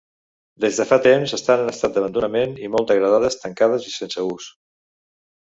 Des de fa temps estan en estat d'abandonament i molt degradades, tancades i sense ús.